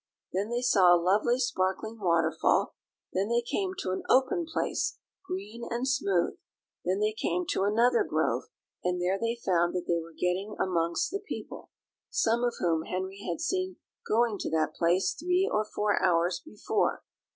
Then they saw a lovely sparkling waterfall; then they came to an open place, green and smooth; then they came to another grove, and there they found that they were getting amongst the people, some of whom Henry had seen going to that place three or four hours before.